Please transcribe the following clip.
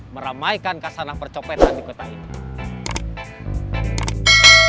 meramaikan kasanah percopetan di kota ini